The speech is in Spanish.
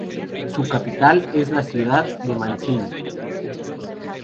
Su capital es la ciudad de Manzini.